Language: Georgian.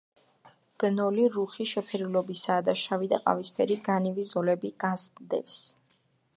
გნოლი რუხი შეფერილობისაა და შავი და ყავისფერი განივი ზოლები გასდევს.